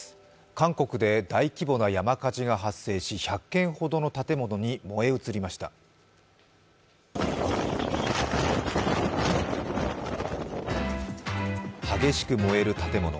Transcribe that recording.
韓国で大規模な山火事が発生し１００軒ほどの建物に燃え移りました激しく燃える建物。